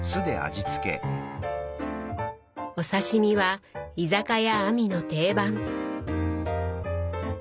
お刺身は「居酒屋あみ」の定番。